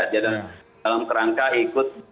jangan dalam kerangka ikut